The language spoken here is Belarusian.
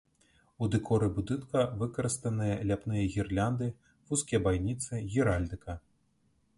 У дэкоры будынка выкарыстаныя ляпныя гірлянды, вузкія байніцы, геральдыка.